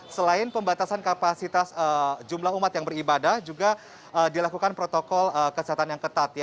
selain pembatasan kapasitas jumlah umat yang beribadah juga dilakukan protokol kesehatan yang ketat